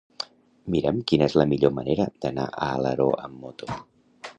Mira'm quina és la millor manera d'anar a Alaró amb moto.